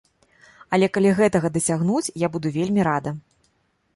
Але калі гэтага дасягнуць, я буду вельмі рада.